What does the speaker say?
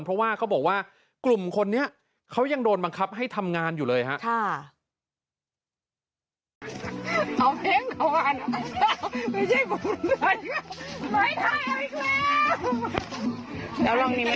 เพราะว่าเขาบอกว่ากลุ่มคนนี้เขายังโดนบังคับให้ทำงานอยู่เลยครับ